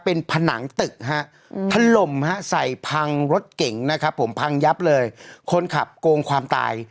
เป็นผนังตึกฮะถล่มฮะใส่พังรถเก่งนะครับผมพังยับเลยคนขับโกงความตาย